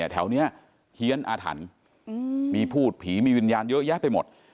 แถวนี้เฮียนอาถรรพ์มีพูดผีมีวิญญาณเยอะแยะไปหมด